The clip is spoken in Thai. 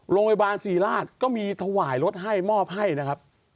โรงพยาบาลศรีราชก็มีถวายรถให้มอบให้นะครับ